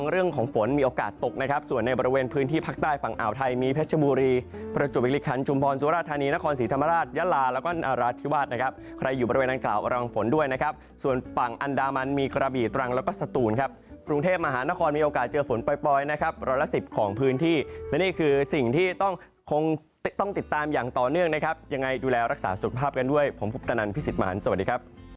ระวังกล่าวระวังฝนด้วยส่วนฝั่งอันดามันมีกระบี่ตรังและสตูลกรุงเทพมหานครมีโอกาสเจอฝนปล่อยร้อยละ๑๐องศาสตร์ของพื้นที่นี่คือสิ่งที่คงต้องติดตามอย่างต่อเนื่องยังไงดูแลรักษาสุดภาพกันด้วยผมคุณตนพี่สิทธิ์สวัสดีครับ